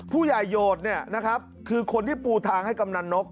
ผู้ใหญ่โยดนะครับคือคนที่ปูทางให้กำนันนก